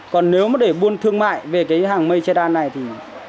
còn nếu mà để buôn thương mại về cái hàng mây che đan này thì